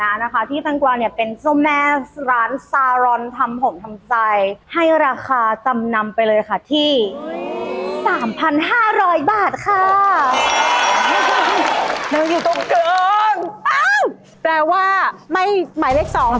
อ้าวแปลว่าไม่หมายเลข๒ก็หมายเลข๓